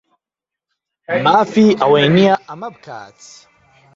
مافی ئەوەی نییە ئەمە بکات.